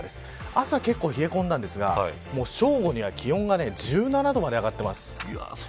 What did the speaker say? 朝、結構冷え込んだんですが正午には気温が１７度まで上がってます。